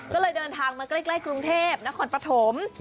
ก็เลยเดินทางมาใกล้กรุงเทพนครปฐม